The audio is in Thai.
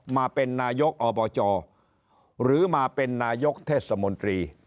มาเป็นนายกอบจหรือมาเป็นนายกเทศมนตรี